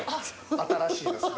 新しいですね。